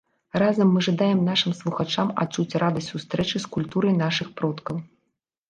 Разам мы жадаем нашым слухачам адчуць радасць сустрэчы з культурай нашых продкаў.